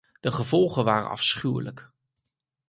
De gevolgen waren afschuwelijk.